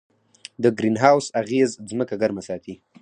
د ګرین هاوس اغېز ځمکه ګرمه ساتي.